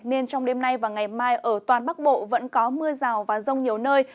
nên trong đêm nay và ngày mai ở toàn bắc bộ vẫn có mưa rào và rông nhiều nơi